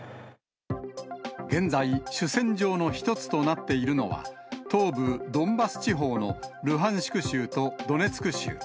現在、主戦場の一つとなっているのは、東部ドンバス地方のルハンシク州とドネツク州。